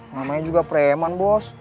namanya juga preman bos